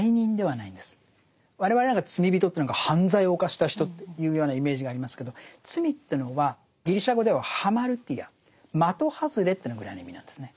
我々罪人って犯罪を犯した人というようなイメージがありますけど罪というのはギリシャ語ではハマルティア的外れというぐらいな意味なんですね。